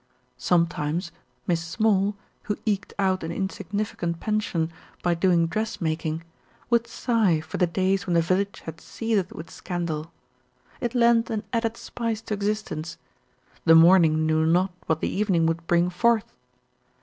Sometimes, Miss Small, who eked out an insignifi cant pension by doing dressmaking, would sigh for the days when the village had seethed with scandal. It lent an added spice to existence. The morning knew not what the evening would bring forth.